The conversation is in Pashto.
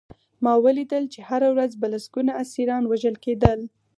ما ولیدل چې هره ورځ به لسګونه اسیران وژل کېدل